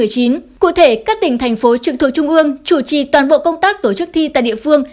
cụ thể các tỉnh thành phố trực thuộc trung ương chủ trì toàn bộ công tác tổ chức thi tại địa phương